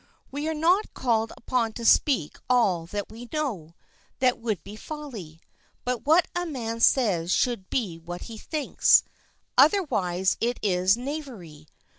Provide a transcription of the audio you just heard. We are not called upon to speak all that we know; that would be folly. But what a man says should be what he thinks; otherwise it is knavery.